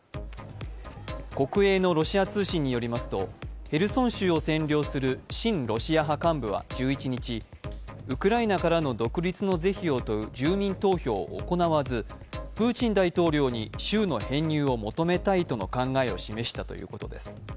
国営のロシア通信によりますとヘルソン州を占領する親ロシア派幹部は１１日ウクライナからの独立の是非を問う住民投票を行わずプーチン大統領に州の編入を求めたいとの考えを示したということです。